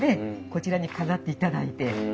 こちらに飾っていただいて。